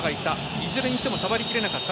いずれにしても触りきれなかった。